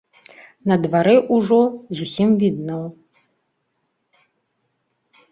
На дварэ ўжо зусім відно.